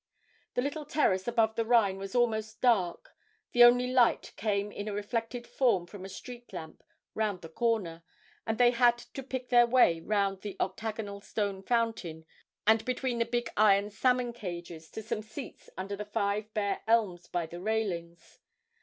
The little terrace above the Rhine was almost dark, the only light came in a reflected form from a street lamp round the corner, and they had to pick their way round the octagonal stone fountain and between the big iron salmon cages, to some seats under the five bare elms by the railings.